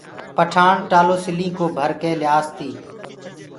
پٺآڻ ٽآلو سلِيٚ ڪو ڀر ڪي ليآس تي